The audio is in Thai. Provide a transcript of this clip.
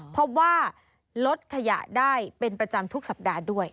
พบว่าลดขยะได้เป็นประจำทุกสัปดาห์ด้วย